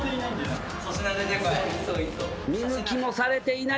見向きもされていない。